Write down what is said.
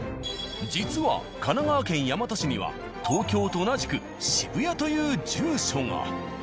実は神奈川県大和市には東京と同じく渋谷という住所が。